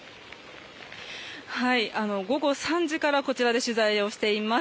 午後３時からこちらで取材をしています。